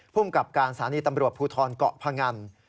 ภูมิกับการสถานีตำรวจภูทรเกาะพงัน